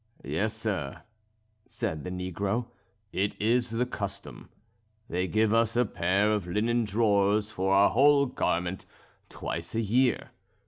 "Yes, sir," said the negro, "it is the custom. They give us a pair of linen drawers for our whole garment twice a year.